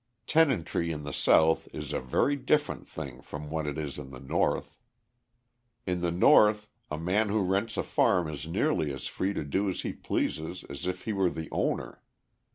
Tenantry in the South is a very different thing from what it is in the North. In the North, a man who rents a farm is nearly as free to do as he pleases as if he were the owner.